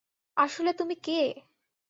আসলে তুমি কে?